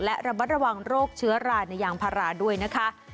และระมัดระวังโรคเชื้อราในยางพาราด้วยนะคะ